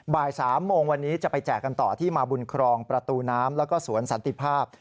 บ่าย๓โมงวันนี้จะไปแจกกันต่อที่มาบุญครองประตูน้ำแล้วก็สวนสันติภาพ